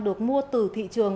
được mua từ thị trường